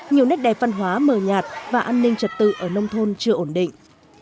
nhiều nét đẹp văn hóa mờ nhạt và an ninh trật tự ở nông thôn chưa ổn định